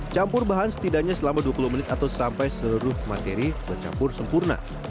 campur bahan setidaknya selama dua puluh menit atau sampai seluruh materi bercampur sempurna